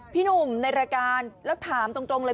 พี่หนุ่มในรายการเทมพูดตรงเลยครับ